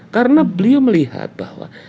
karena beliau melihat bahwa